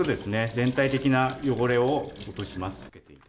全体的な汚れを落とします。